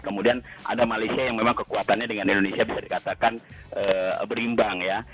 kemudian ada malaysia yang memang kekuatannya dengan indonesia bisa dikatakan berimbang ya